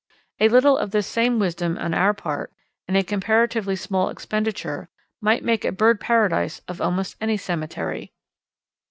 A little of this same wisdom on our part, and a comparatively small expenditure, might make a bird paradise of almost any cemetery.